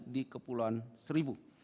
di kepulauan seribu